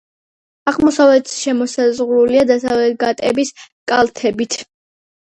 აღმოსავლეთით შემოსაზღვრულია დასავლეთ გატების კალთებით.